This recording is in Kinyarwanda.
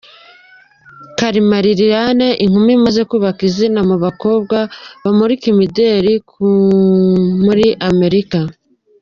Kalima Liliane inkumi imaze kubaka izina mu bakobwa bamurika imideri ku muri Amerika.